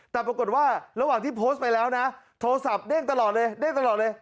แต่ปรากฏว่าระหว่างที่โพสต์ไปแล้วนะโทรศัพท์เด้งตลอดเลยเด้งตลอดเลย